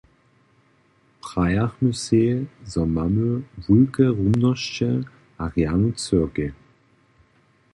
Prajachmy sej, zo mamy wulke rumnosće a rjanu cyrkej.